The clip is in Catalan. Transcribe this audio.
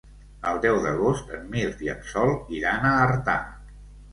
El deu d'agost en Mirt i en Sol iran a Artà.